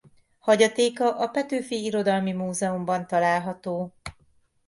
Hagyatéka a Petőfi Irodalmi Múzeumban található.